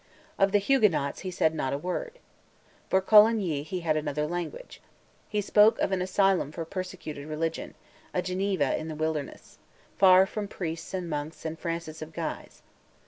Of the Huguenots, he said not a word. For Coligny he had another language. He spoke of an asylum for persecuted religion, a Geneva in the wilderness, far from priests and monks and Francis of Guise.